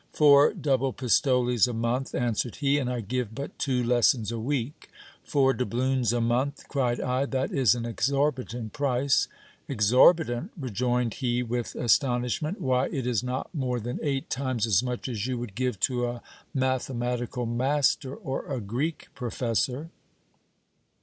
Four double pistoles a month, answered he, and I give but two lessons a week. Four doubloons a month ! cried I, that is an exorbitant price. Exorbitant ! rejoined he with astonish ment ; why, it is not more than eight times as much as you would give to a mathematical master or a Greek professor.